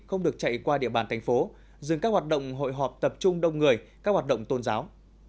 không được chạy qua địa bàn thành phố dừng các hoạt động hội họp tập trung đông người các hoạt động tôn giáo